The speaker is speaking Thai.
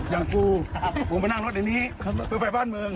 เอารถมารับไว้มาฝากกุหน่อย